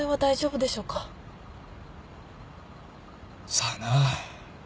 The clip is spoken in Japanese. さあな。